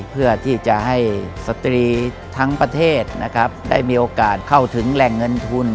เพื่อที่จะให้สตรีทั้งประเทศนะครับได้มีโอกาสเข้าถึงแหล่งเงินทุน